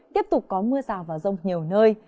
tiếp tục có mưa rào và rông nhiều nơi